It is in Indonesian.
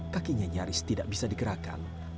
kakinya nyaris tidak bisa digerakkan